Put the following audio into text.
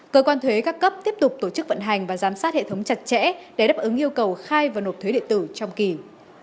cơ quan thuế các cấp tiếp tục tổ chức vận hành và giám sát hệ thống chặt chẽ để đáp ứng yêu cầu khai và nộp thuế điện tử trong kỳ